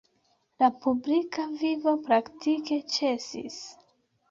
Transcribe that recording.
La publika vivo praktike ĉesis.